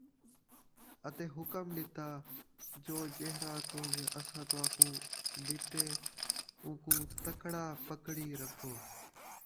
اَتے حکم ݙِتا جو جِہڑا کُجھ اَساں تُہاکوں ݙِتے اُوکوں تکڑا پکڑی رکھو،